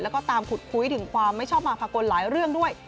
แล้วก็ตามขุดคุยถึงความไม่ชอบมาภากลหลายเรื่องด้วย